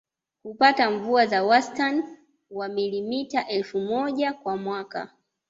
Hupata mvua za wastani wa milimita elfu moja kwa mwaka